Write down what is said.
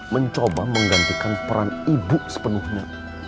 mencoba menggantikan peran ibu sepenuhnya